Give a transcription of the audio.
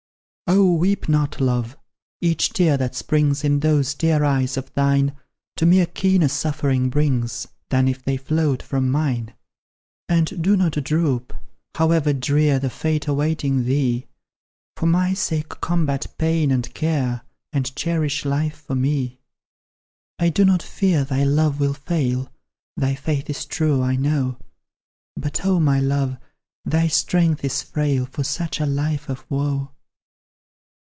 Oh, weep not, love! each tear that springs In those dear eyes of thine, To me a keener suffering brings Than if they flowed from mine. And do not droop! however drear The fate awaiting thee; For MY sake combat pain and care, And cherish life for me! I do not fear thy love will fail; Thy faith is true, I know; But, oh, my love! thy strength is frail For such a life of woe.